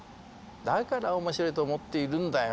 だからおもしろいと思っているんだよ。